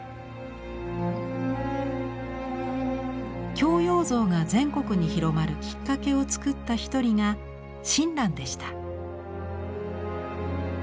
孝養像が全国に広まるきっかけを作った一人が親鸞でした。